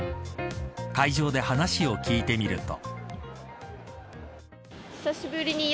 会場で話を聞いてみると。